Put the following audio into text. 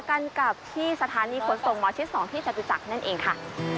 กันกับที่สถานีขนส่งหมอชิด๒ที่จตุจักรนั่นเองค่ะ